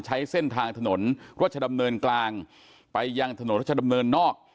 ใช้เส้นทางถนนรัชดำเนินกลางไปยังถนนรัชดำเนินนอก